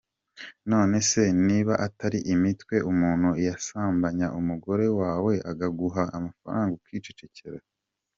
None se niba atari imitwe umuntu yasambanya umugore wawe akaguha amafaranga ukicecekera?”.